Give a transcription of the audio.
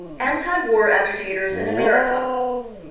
Anti War Agitators in America.